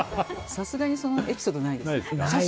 さすがにそのエピソードないです。